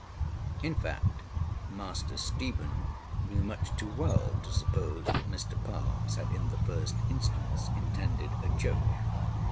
ŌĆØ In fact, Master Stephen knew much too well to suppose that Mr Parkes had in the first instance intended a joke.